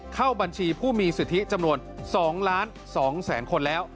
เข้าบัญชีผู้มีสิทธิจำนวน๒๒๐๐๐คนแล้ว